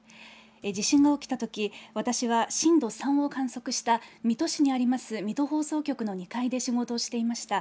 地震が起きたとき、私は震度３を観測した、水戸市にあります、水戸放送局の２階で仕事をしていました。